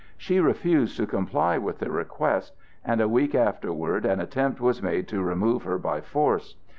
She refused to comply with the request, and a week afterwards an attempt was made to remove her by force.